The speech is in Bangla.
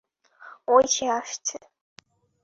ওই সে আসছে।